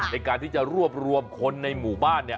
ในการที่จะรวบรวมคนในมู่บ้าน